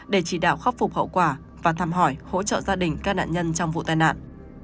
để chỉ đạo khắc phục hậu quả và thăm hỏi hỗ trợ gia đình các nạn nhân trong vụ tai nạn